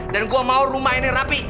dan gue mau rumah ini rapi